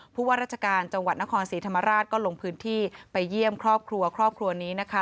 ผู้ว่าราชการจังหวัดนครศรีธรรมราชก็ลงพื้นที่ไปเยี่ยมครอบครัวครอบครัวนี้นะคะ